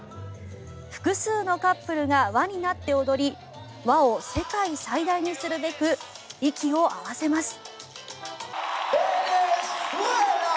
複数のカップルが輪になって踊り輪を世界最大にするべく息を合わせます。